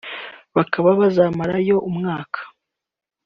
bakaba bazamara yo umwaka